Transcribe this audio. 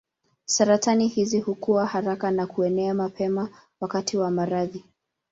Saratani hizi hukua haraka na kuenea mapema wakati wa maradhi.